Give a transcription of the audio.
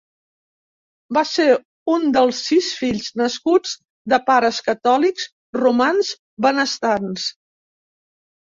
Va ser un dels sis fills nascuts de pares catòlics romans benestants.